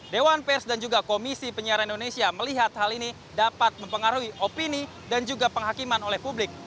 dewan pers dan juga komisi penyiaran indonesia melihat hal ini dapat mempengaruhi opini dan juga penghakiman oleh publik